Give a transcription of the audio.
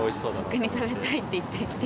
角煮食べたいって言って来